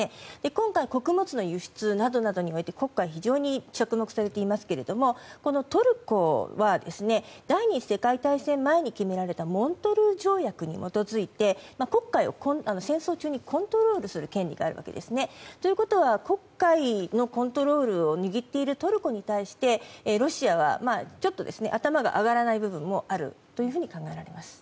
今回、穀物の輸出などにおいて黒海は非常に着目されていますけれどトルコは第２次世界大戦前に決められたモントルー条約に基づいて黒海を戦争中にコントロールする権利があるわけですね。ということは黒海のコントロールを握っているトルコに対してロシアはちょっと頭が上がらない部分もあると考えられます。